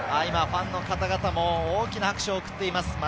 ファンの方々も大きな拍手を送っています。